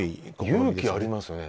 勇気ありますよね。